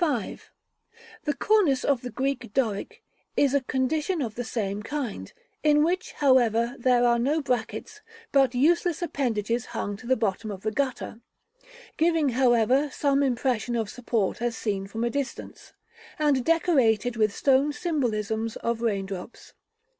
§ V. The cornice of the Greek Doric is a condition of the same kind, in which, however, there are no brackets, but useless appendages hung to the bottom of the gutter (giving, however, some impression of support as seen from a distance), and decorated with stone symbolisms of raindrops.